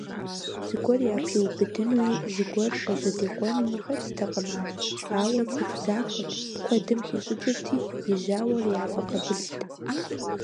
Зыгуэр япиубыдынуи, зыгуэр къыжьэдикъуэнуи хэттэкъым ар, ауэ цӀыху захуэт, куэдым хищӀыкӀырти, и жьауэр яфӀэкъабылт.